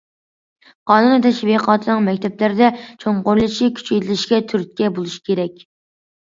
قانۇن تەشۋىقاتىنىڭ مەكتەپلەردە چوڭقۇرلىشىشى، كۈچەيتىلىشىگە تۈرتكە بولۇش كېرەك.